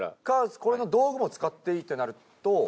かつこれの道具も使っていいってなると。